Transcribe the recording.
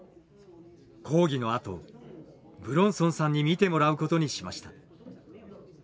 講義のあと武論尊さんに見てもらうことにしました。